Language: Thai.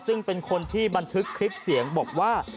ซึ่งเป็นคนที่บันทึกคลิปเสียงบอกว่า